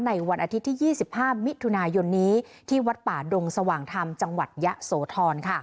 วันอาทิตย์ที่๒๕มิถุนายนนี้ที่วัดป่าดงสว่างธรรมจังหวัดยะโสธร